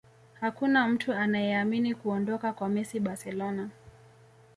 Hakuna mtu anayeamini kuondoka kwa messi barcelona